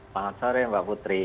selamat sore mbak putri